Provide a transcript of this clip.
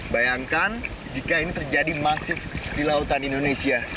bayangkan jika ini terjadi masif di lautan indonesia